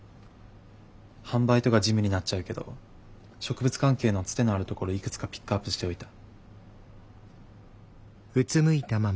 販売とか事務になっちゃうけど植物関係のつてのあるところいくつかピックアップしておいた。